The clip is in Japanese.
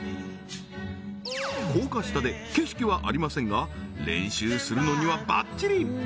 高架下で景色はありませんが練習するのにはバッチリ！